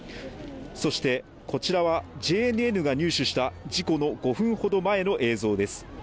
そしてこちらはＪＮＮが入手した事故の５分ほど前の映像です。